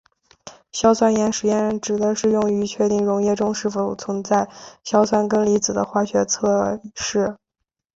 硝酸盐试验指的是用于确定溶液中是否存在硝酸根离子的化学测试。